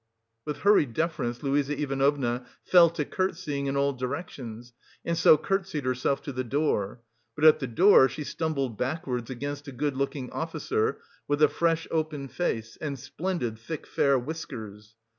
With hurried deference, Luise Ivanovna fell to curtsying in all directions, and so curtsied herself to the door. But at the door, she stumbled backwards against a good looking officer with a fresh, open face and splendid thick fair whiskers.